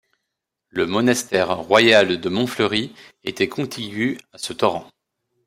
Le monastère royal de Montfleury était contigu à ce torrent.